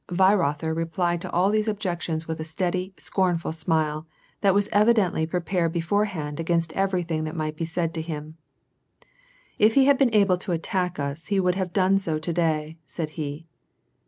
Weirotlier replied to all these ob jections with a steady, scornful smile, that was evidently pre pared beforehand against everything that might be said to him, —^" If he had been able to attack us, he would have done so to day," said he.